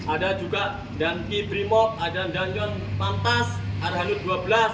ada juga danki brimok ada danjon pantas arhanud gwawar